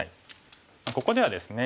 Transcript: ここではですね